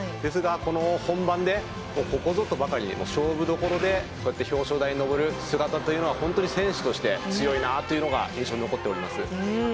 それがこの本番でここぞとばかりに勝負どころで表彰台に上る姿は本当に選手として強いなというのが印象に残っております。